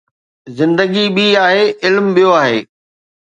زندگي ٻي آهي، علم ٻيو آهي